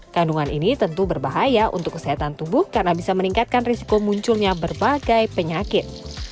kandungan ini tentu berbahaya untuk kesehatan tubuh karena bisa meningkatkan risiko munculnya berbagai penyakit